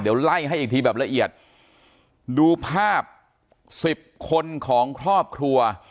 เดี๋ยวไล่ให้อีกทีแบบละเอียดดูภาพสิบคนของครอบครัว